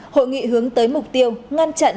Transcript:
hội nghị hướng tới mục tiêu ngăn chặn